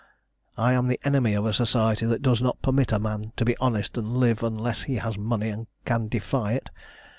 I am the enemy of a society that does not permit a man to be honest and live, unless he has money and can defy it.